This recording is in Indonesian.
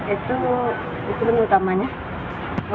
itu itu yang utamanya